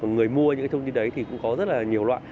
người mua những thông tin đấy cũng có rất nhiều loại